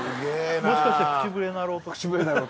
もしかして口笛なるおと？